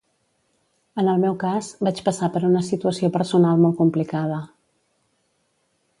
En el meu cas, vaig passar per una situació personal molt complicada.